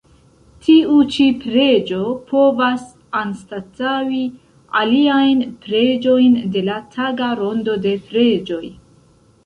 Tiu ĉi preĝo povas anstataŭi aliajn preĝojn de la taga rondo de preĝoj.